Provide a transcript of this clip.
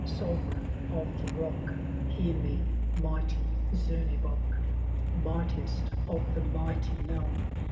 Sovereign of the Bock, Hear me I mighty Zemebock. ^ Mightiest of the mighty known.